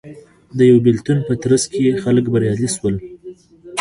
د یوه بېلتون په ترڅ کې خلک بریالي شول